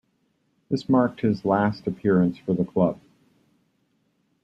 This marked his last appearance for the club.